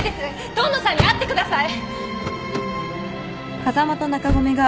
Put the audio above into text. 遠野さんに会ってください！